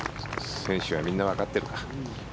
選手はみんなわかってるか。